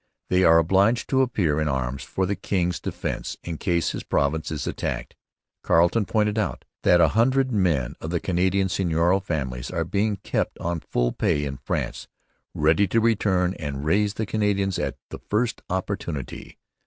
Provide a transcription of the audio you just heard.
They are obliged to appear in Arms for the King's defence, in case his Province is attacked.' Carleton pointed out that a hundred men of the Canadian seigneurial families were being kept on full pay in France, ready to return and raise the Canadians at the first opportunity.